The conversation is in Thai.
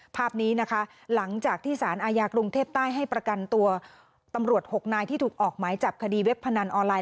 ภาพนี้นะคะหลังจากที่สารอาญากรุงเทพใต้ให้ประกันตัวตำรวจ๖นายที่ถูกออกหมายจับคดีเว็บพนันออนไลน